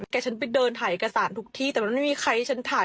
ฉันไปเดินถ่ายเอกสารทุกที่แต่มันไม่มีใครให้ฉันถ่าย